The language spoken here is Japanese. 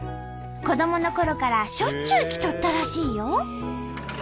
子どものころからしょっちゅう来とったらしいよ。